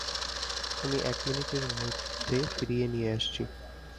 আমি এক মিনিটের মধ্যে ফিরিয়ে নিয়ে আসছি।